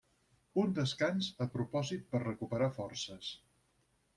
Un descans a propòsit per recuperar forces.